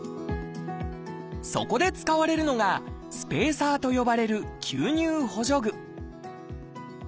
そこで使われるのが「スペーサー」と呼ばれる吸入補助具